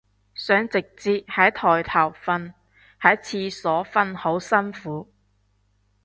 想直接喺枱頭瞓，喺廁所瞓好辛苦